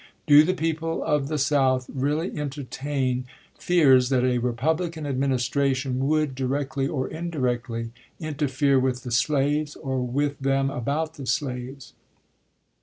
Do the people of the South really entertain fears that a Republican adminis tration would, directly or indirectly, interfere with the slaves, or with them about the slaves?